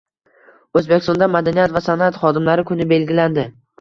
O‘zbekistonda madaniyat va san’at xodimlari kuni belgilandi